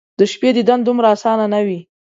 د شپې دیدن دومره اسانه ،نه وي